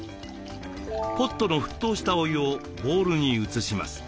ポットの沸騰したお湯をボウルに移します。